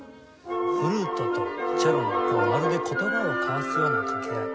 フルートとチェロのこうまるで言葉を交わすような掛け合い。